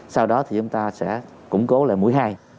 sau đó thì chúng ta sẽ củng cố lại mũi hai